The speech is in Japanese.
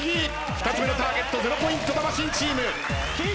２つ目のターゲット０ポイント魂チーム。